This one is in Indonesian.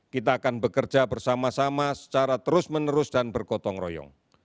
kita akan bekerja bersama sama secara terus menerus dan bergotong royong